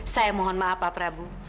saya mohon maaf pak prabu